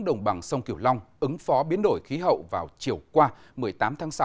đồng bằng sông kiểu long ứng phó biến đổi khí hậu vào chiều qua một mươi tám tháng sáu